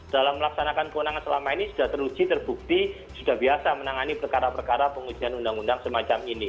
dalam melaksanakan kewenangan selama ini sudah teruji terbukti sudah biasa menangani perkara perkara pengujian undang undang semacam ini